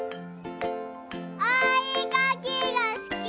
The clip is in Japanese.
おえかきがすき。